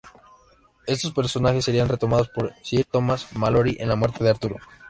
Estos personajes serían retomados por Sir Thomas Malory en La muerte de Arturo.